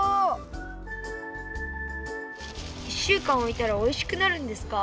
１週間おいたらおいしくなるんですか？